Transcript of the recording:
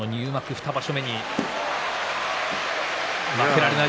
２場所目に負けられない